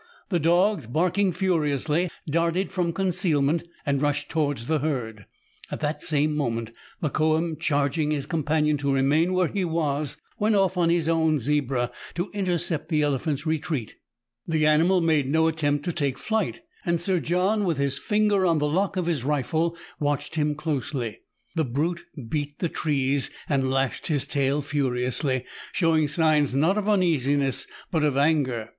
The dogs, barking furiously, darted from concealment, and rushed to wards the herd. At the same moment, Mokoum, charging his companion to remain where he was, went off on his zebra to intercept the elephant's retreat. The animal made no attempt to take flight, and Sir John, with his finger on the lock of his rifle, watched him closely. The brute beat the trees, and lashed his tail furiously, showing signs not of uneasiness, but of anger.